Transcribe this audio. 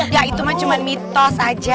gak itu mah cuma mitos aja